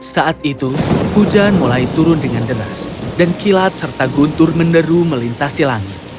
saat itu hujan mulai turun dengan deras dan kilat serta guntur menderu melintasi langit